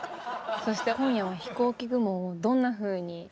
そして今夜は「ひこうき雲」をどんなふうに？